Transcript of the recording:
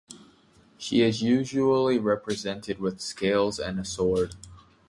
She is usually represented with scales and sword.